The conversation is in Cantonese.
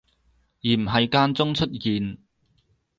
而唔係間中出現